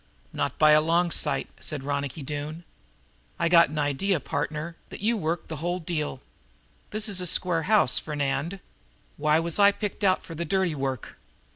"Not by a long sight," said Ronicky Doone. "I got an idea, partner, that you worked the whole deal. This is a square house, Fernand. Why was I picked out for the dirty work?"